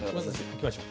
いきましょう。